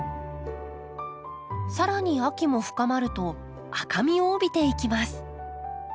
更に秋も深まると赤みを帯びていきます。